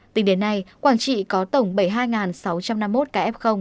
tính đến nay quảng trị có tổng bảy mươi hai sáu trăm năm mươi một ca f